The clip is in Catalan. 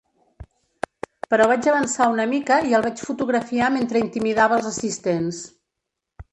Però vaig avançar una mica i el vaig fotografiar mentre intimidava els assistents.